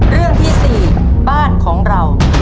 เรื่องที่๔บ้านของเรา